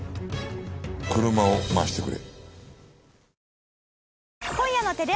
車を回してくれ。